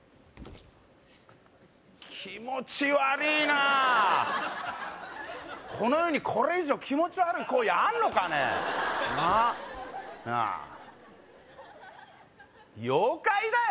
気持ちわりいなこの世にこれ以上気持ち悪い行為あんのかねなあ妖怪だよ